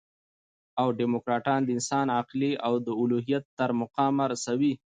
او ډيموکراټان د انساني عقل او د الوهیت تر مقامه رسوي.